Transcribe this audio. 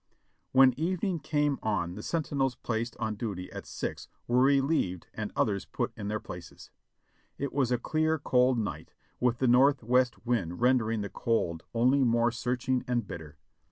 When evening came on the sentinels placed on duty at six were relieved and others put in their places. It was a clear, cold night, with a northwest wind rendering the cold only more searching and bitter.